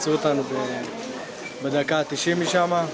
teman teman memperbaiki kami di saat sembilan puluh dari sana